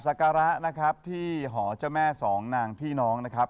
การะนะครับที่หอเจ้าแม่สองนางพี่น้องนะครับ